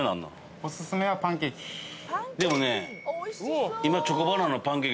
でもね。